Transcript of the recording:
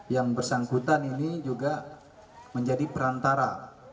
yang bersangkutan ini juga menjadi perantara